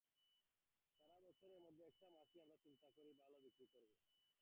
সারা বছরের মধ্যে একটা মাসই আমরা চিন্তা করি ভালো বিক্রি করব।